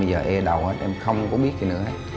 bây giờ ê đầu hết em không có biết gì nữa